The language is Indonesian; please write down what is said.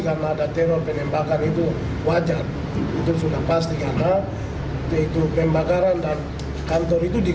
karena ada teror penembakan itu wajar itu sudah pasti karena itu pembakaran dan kantor itu di